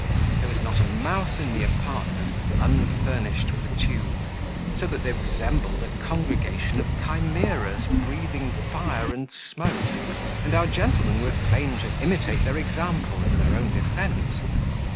There was not a mouth in the apartment unfurnished with a tube, so that they resembled a congregation of chimeras breathing fire and smoke; and our gentlemen were fain to imitate their example in their own defence.